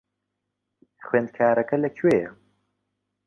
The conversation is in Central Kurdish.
خوێندکارەکە لەکوێیە؟